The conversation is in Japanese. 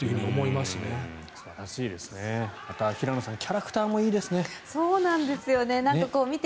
また平野さんキャラクターもいいですね。